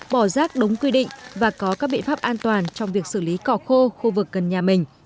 bỏ rác đúng quy định và có các biện pháp an toàn trong việc xử lý cỏ khô khu vực gần nhà mình